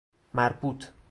مربوط